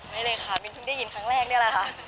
ไม่เลยค่ะมิ้นเพิ่งได้ยินครั้งแรกนี่แหละค่ะ